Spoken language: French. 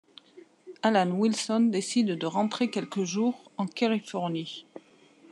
Alan Wilson décide de rentrer quelques jours en Californie.